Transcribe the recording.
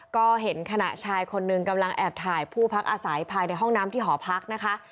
ก็เห็นขณะชายคนหนึ่งกำลังแอบถ่ายผู้พักอาศัยภายในห้องน้ำที่หอพักนะคะ